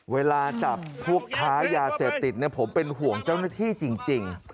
เวลาจับพวกค้ายาเสพติดผมเป็นห่วงเจ้าหน้าที่จริง